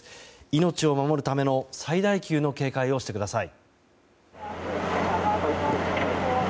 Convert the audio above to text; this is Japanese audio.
命を守るための最大級の警戒をしてください。